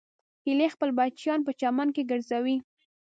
هیلۍ خپل بچیان په چمن کې ګرځوي